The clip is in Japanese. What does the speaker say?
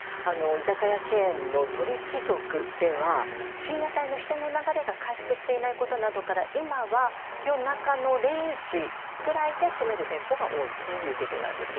居酒屋チェーンの鳥貴族では深夜帯の人の流れが回復していないことなどから今は夜中の０時ぐらいで閉める店舗が多いということです。